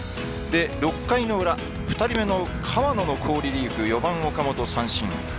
６回の裏２人目の河野の好リリーフ、４番岡本三振。